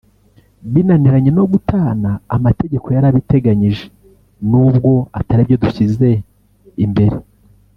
binaniranye no gutana amategeko yarabiteganyije n’ubwo atari byo dushyize imbere